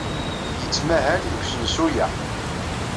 Yettmahal deg usensu-a.